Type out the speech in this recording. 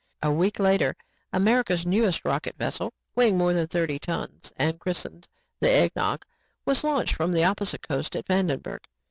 A week later, America's newest rocket vessel, weighing more than thirty tons and christened The Egg Nog, was launched from the opposite coast at Vandenburg.